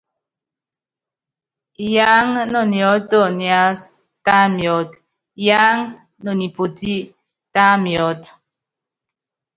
Yaáŋa nɔ niɔ́tɔ niasɔ́, tá miɔ́t, yaáŋa no nipoti, tá miɔ́t.